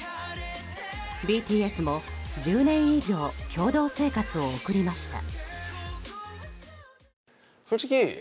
ＢＴＳも１０年以上共同生活を送りました。